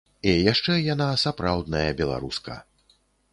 І яшчэ яна сапраўдная беларуска.